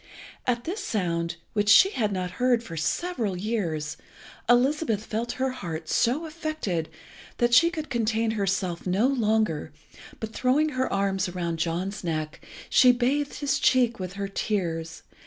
At this sound, which she had not heard for several years, Elizabeth felt her heart so affected that she could contain herself no longer, but throwing her arms about John's neck, she bathed his cheek with her tears.